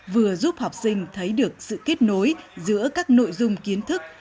vừa giúp học sinh thấy được sự kết nối giữa các nội dung kiến thức